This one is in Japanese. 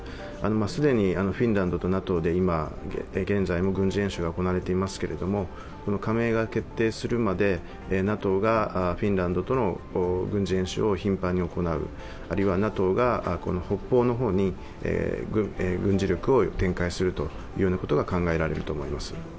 既にフィンランドとＮＡＴＯで現在も軍事演習が行われていますけれどもこの加盟が決定するまで、ＮＡＴＯがフィンランドとの軍事演習を頻繁に行う、あるいはＮＡＴＯが北方の方に軍事力を展開するというようなことが考えられると思います。